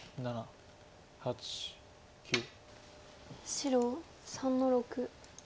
白３の六。